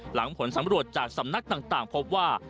หลังผลสำรวจจากสำนักต่างพบว่า